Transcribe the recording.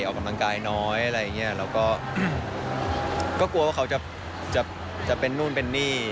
ออกกำลังกายน้อยอะไรอย่างเงี้ยเราก็กลัวว่าเขาจะจะเป็นนู่นเป็นนี่